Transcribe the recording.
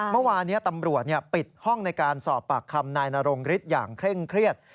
เมื่อวานี้ตำรวจปิดห้องในการสอบปากคำนายนรงฤทธิ์อย่างเคร่งเครียด